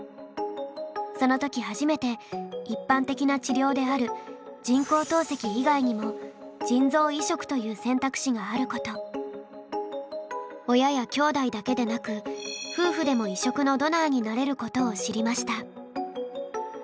その時初めて一般的な治療であるという選択肢があること親やきょうだいだけでなく夫婦でも移植のドナーになれることを知りました。